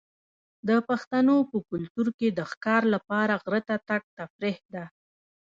د پښتنو په کلتور کې د ښکار لپاره غره ته تګ تفریح ده.